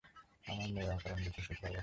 আমার মেয়ের অকারণ দুঃখ সইতে পারব না।